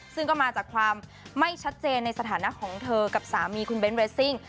ซึ่งก็มาจากความไม่ชัดเจนในสถานะของเธอกับสามีคุณเบ้นเรสซิ่ง